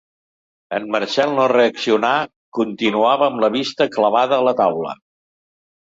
El Marcel no reaccionà Continuava amb la vista clavada a la taula.